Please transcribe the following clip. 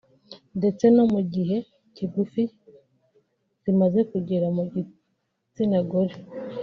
ndetse no mu gihe kigufi zimaze kugera mu gitsina gore